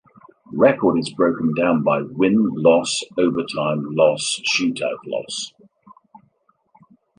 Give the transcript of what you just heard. Record is broken down by Win-Loss-Overtime Loss-Shootout Loss.